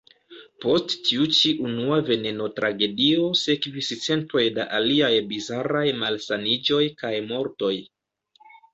Post tiu ĉi unua veneno-tragedio sekvis centoj da aliaj bizaraj malsaniĝoj kaj mortoj.